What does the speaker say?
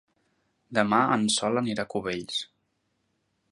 Demà en Sol anirà a Cubells.